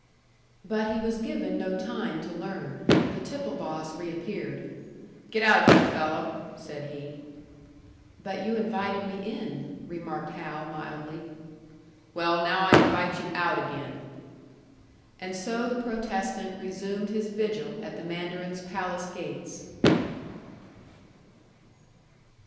But he was given no time to learn. The tipple boss reappeared. "Get out of here, fellow!" said he. "But you invited me in," remarked Hal, mildly. "Well, now I invite you out again." And so the protestant resumed his vigil at the mandarin's palace gates.